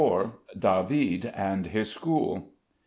"DAVID" AND HIS SCHOOL.